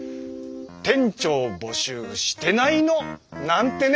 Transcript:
店長募集してないの？なんてね。